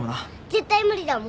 絶対無理だもん。